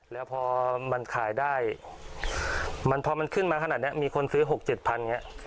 แล้วพอมันขายได้มันพอมันขึ้นมาขนาดนี้มีคนซื้อ๖๗พันอย่างนี้